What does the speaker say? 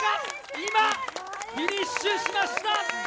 今、フィニッシュしました！